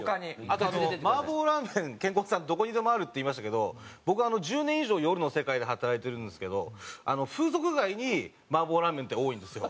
あとマーボラーメンケンコバさん「どこにでもある」って言いましたけど僕１０年以上夜の世界で働いてるんですけど風俗街にマーボラーメンって多いんですよ。